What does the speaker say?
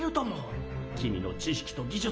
君の知識と技術